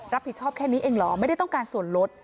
รับผิดชอบแค่นี้เองเหรอไม่ได้ต้องการส่วนลด